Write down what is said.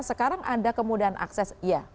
sekarang ada kemudahan akses ya